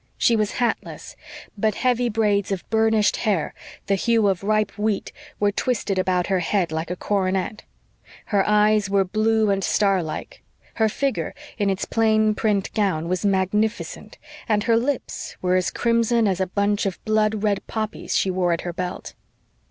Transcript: She was hatless, but heavy braids of burnished hair, the hue of ripe wheat, were twisted about her head like a coronet; her eyes were blue and star like; her figure, in its plain print gown, was magnificent; and her lips were as crimson as the bunch of blood red poppies she wore at her belt.